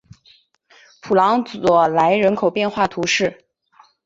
普朗佐莱人口变化图示